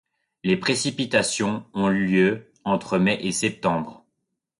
Les précipitations ont lieu entre mai et septembre.